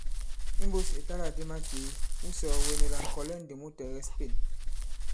Imbūs ìtalâkdi makèe , wu sɔ̀ɔ̀wene la ŋ̀kɔ̀lɛ ndī mu tɛ̀gɛs Pên.